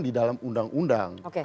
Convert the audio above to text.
di dalam undang undang